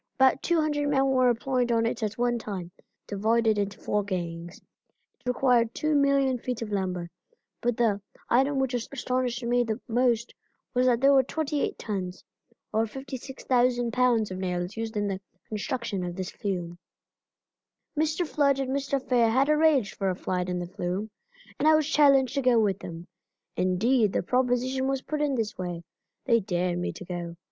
About 200 men were employed on it at one time, being divided into four gangs. It required 2,000,000 feet of lumber, but the item which astonished me most was that there were 28 tons, or 56,000 pounds of nails used in the construction of this flume. Mr. Flood and Mr. Fair had arranged for a ride in the flume, and I was challenged to go with them. Indeed the proposition was put in this way they dared me to go.